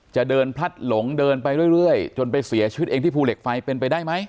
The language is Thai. จะเดินพลัดหลงเดินไปเรื่อยจนไปเสียชีวิตเองที่ภูเหล็กไฟเป็นไปได้ไหม